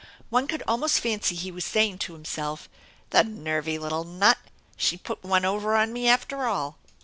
One could almost fancy he was saying to himself: "The nervy little nut! She put one over on me after all!"